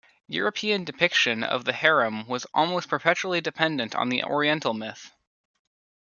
European depiction of the harem was almost perpetually dependent on the Oriental myth.